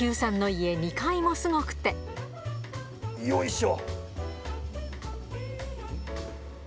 よいしょ！